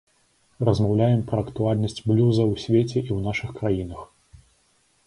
Размаўляем пра актуальнасць блюза ў свеце і ў нашых краінах.